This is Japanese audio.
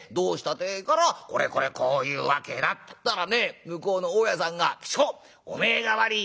ってえからこれこれこういう訳だっつったらね向こうの大家さんが『吉公お前が悪い。